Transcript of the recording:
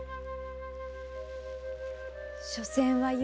しょせんは夢。